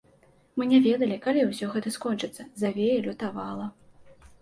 Мы не ведалі, калі ўсё гэта скончыцца, завея лютавала.